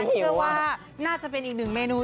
เออคงไม่หิวว่าน่าจะเป็นอีกหนึ่งเมนู